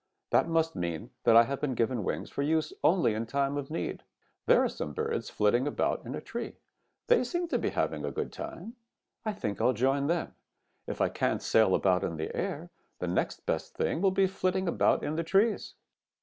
That must mean that I have been given wings for use only in time of need. There are some birds flitting about in a tree. They seem to be having a good time. I think I'll join them. If I can't sail about in the air, the next best thing will be flitting about in the trees.'